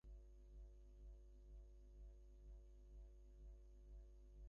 সে মাঝে মাঝে সংকোচ বিসর্জন দিয়া উচ্ছ্বসিত হৃদয়ে প্রতিবাদ না করিয়া থাকিতে পারে নাই।